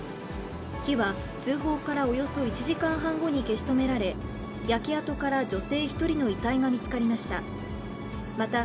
火は通報からおよそ１時間半後に消し止められ、焼け跡から女性１人の遺体が見つかりました。